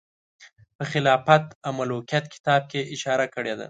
په خلافت او ملوکیت کتاب کې یې اشاره کړې ده.